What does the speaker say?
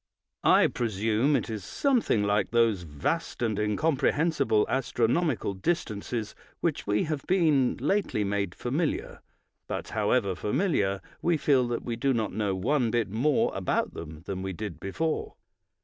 I presume it is something like those vast and incomprehensible astronomical distances with which we have been lately made familiar; but, however familiar, we feel that we do not know one bit more about them than we did before.